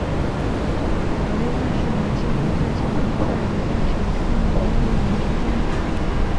塔利特是男性犹太教徒在礼拜时穿着的一种披肩。